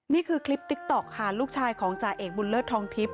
นี่คือคลิปติ๊กต๊อกค่ะลูกชายของจ่าเอกบุญเลิศทองทิพย